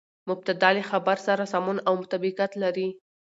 مبتداء له خبر سره سمون او مطابقت لري.